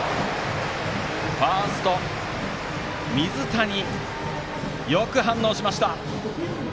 ファースト、水谷よく反応しました。